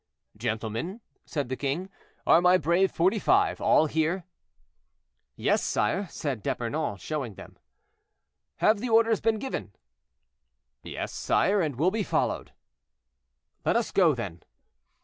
"Gentlemen," said the king, "are my brave Forty five all here?" "Yes, sire," said D'Epernon, showing them. "Have the orders been given?" "Yes, sire, and will be followed." "Let us go, then!"